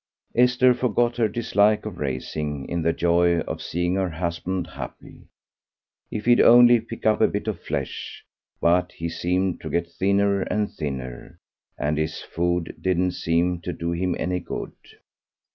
Esther forgot her dislike of racing in the joy of seeing her husband happy, if he'd only pick up a bit of flesh; but he seemed to get thinner and thinner, and his food didn't seem to do him any good.